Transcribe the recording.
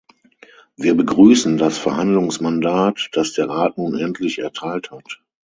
Wir begrüßen das Verhandlungsmandat, das der Rat nun endlich erteilt hat.